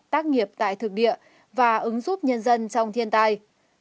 tác nghiệp tại thực địa và ứng giúp nhân dân trong thiên tai